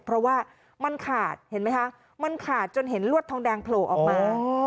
เพราะว่ามันขาดเห็นไหมคะมันขาดจนเห็นลวดทองแดงโผล่ออกมา